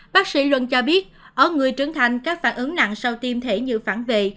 bác sĩ luận cho biết ở người trưởng thành các phản ứng nặng sau tiêm thể như phản vệ